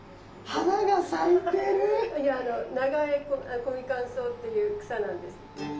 花が咲いてる⁉いやあのナガエコミカンソウっていう草なんです。